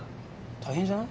大変じゃない？